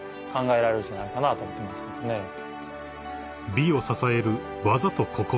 ［美を支える技と心］